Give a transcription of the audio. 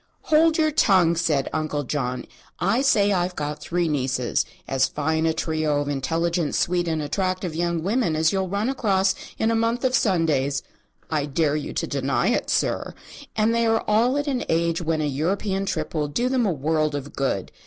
"Hold your tongue," said Uncle John. "I say I've got three nieces as fine a trio of intelligent, sweet and attractive young women as you'll run across in a month of Sundays. I dare you to deny it, sir. And they are all at an age when an European trip will do them a world of good.